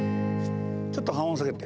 ちょっと半音下げて。